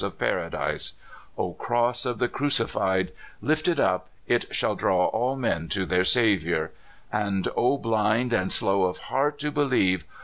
of paradise ! O cross of the Crucified ! Lifted up, it shall draw all men^to their Saviour! And blind and slow of heart to believe!